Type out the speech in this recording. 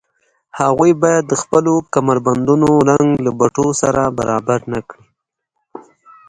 هغوی باید د خپلو کمربندونو رنګ له بټوو سره برابر نه کړي